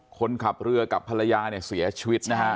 คนขับเรือกับภรรยาเนี่ยเสียชีวิตนะฮะ